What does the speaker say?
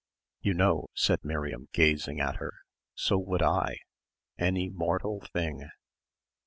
"You know," said Miriam gazing at her, "so would I any mortal thing."